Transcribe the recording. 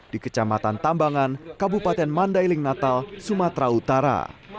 di kecamatan tambangan kabupaten mandailing natal sumatera utara